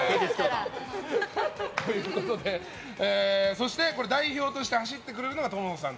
そして、代表として走ってくれるのが友野さん。